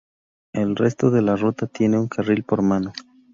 El resto de la ruta tiene un carril por mano.